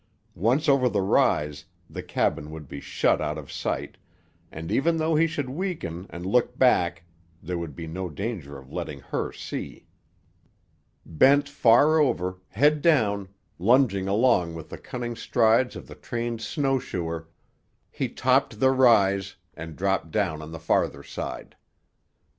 Once over the rise the cabin would be shut out of sight, and even though he should weaken and look back there would be no danger of letting her see. Bent far over, head down, lunging along with the cunning strides of the trained snowshoer, he topped the rise and dropped down on the farther side.